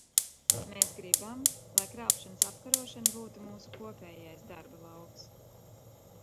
Mēs gribam, lai krāpšanas apkarošana būtu mūsu kopējais darba lauks.